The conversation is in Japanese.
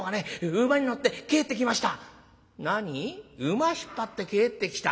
馬引っ張って帰ってきた？